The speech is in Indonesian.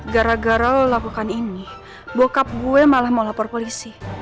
gara gara lo lakukan ini bokap gue malah mau lapor polisi